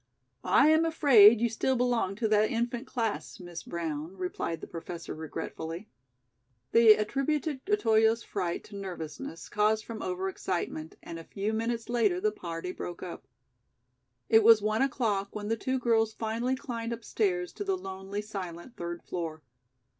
"I am afraid you still belong to the infant class, Miss Brown," replied the Professor regretfully. They attributed Otoyo's fright to nervousness caused from over excitement, and a few minutes later the party broke up. It was one o'clock when the two girls finally climbed upstairs to the lonely silent third floor.